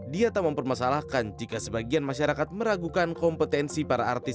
dia tak mempermasalahkan jika sebagian masyarakat meragukan kompetensi para artis